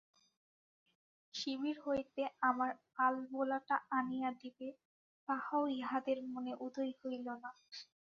শিবির হইতে আমার আলবোলাটা আনিয়া দিবে, তাহাও ইহাদের মনে উদয় হইল না।